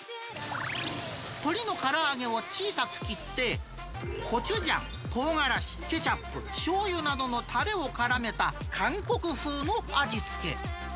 鶏のから揚げを小さく切って、コチュジャン、とうがらし、ケチャップ、しょうゆなどのたれをからめた韓国風の味付け。